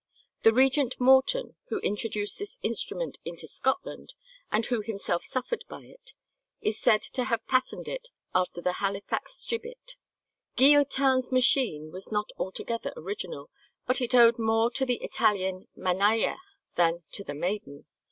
The regent Morton, who introduced this instrument into Scotland, and who himself suffered by it, is said to have patterned it after the Halifax Gibbet.[181:1] Guillotin's machine was not altogether original, but it owed more to the Italian "Mannaïa" than to the "Maiden."